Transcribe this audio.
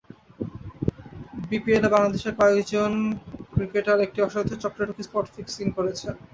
বিপিএলে বাংলাদেশের কয়েকজন ক্রিকেটার একটি অসাধু চক্রে ঢুকে স্পট ফিক্সিং করেছেন।